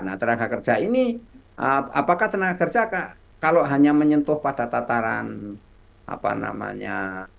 nah tenaga kerja ini apakah tenaga kerja kalau hanya menyentuh pada tataran apa namanya